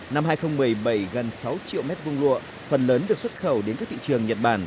năm hai nghìn một mươi bảy gần sáu triệu m hai lụa phần lớn được xuất khẩu đến các thị trường nhật bản